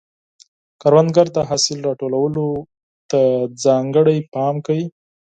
کروندګر د حاصل راټولولو ته ځانګړی پام کوي